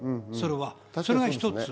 それが一つ。